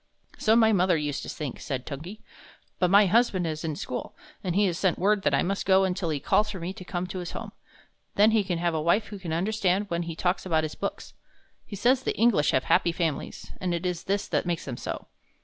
"So my mother used to think," said Tungi; "but my husband is in school, and he has sent word that I must go until he calls for me to come to his home. Then he can have a wife who can understand when he talks about his books. He says the English have happy families, and it is this that makes them so.